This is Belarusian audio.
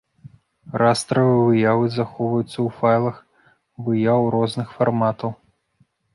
Растравыя выявы захоўваюцца ў файлах выяў розных фарматаў.